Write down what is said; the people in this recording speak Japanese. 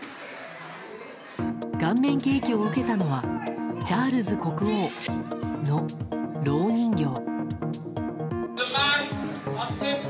顔面ケーキを受けたのはチャールズ国王の、ろう人形。